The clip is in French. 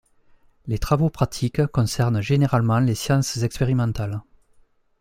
Les travaux pratiques concernent généralement les sciences expérimentales.